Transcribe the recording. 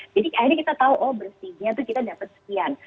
jadi akhirnya kita tahu oh bersihnya itu kita dapat sekian